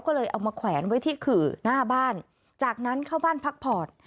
ก็เลยเอามาแขวนไว้ที่ขื่อหน้าบ้านจากนั้นเข้าบ้านพักผ่อน